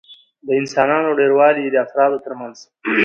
د انسانانو ډېروالي د افرادو ترمنځ